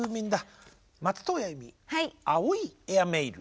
松任谷由実「青いエアメイル」。